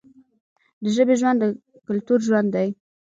د ژبې ژوند د کلتور ژوند دی.